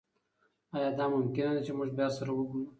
ایا دا ممکنه ده چې موږ بیا سره وګورو؟